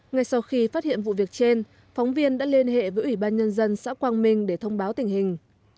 ngay sau khi phát hiện vụ việc trên phóng viên đã liên hệ với ủy ban nhân dân xã quang minh để thông báo tình hình